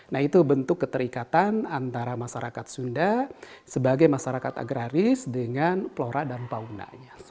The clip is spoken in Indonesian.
nah itu bentuk keterikatan antara masyarakat sunda sebagai masyarakat agraris dengan flora dan faunanya